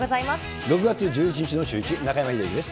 ６月１１日のシューイチ、中山秀征です。